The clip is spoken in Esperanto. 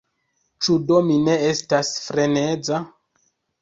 Ĉu do mi ne estas freneza?